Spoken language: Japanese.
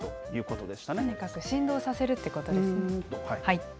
とにかく振動させるということですね。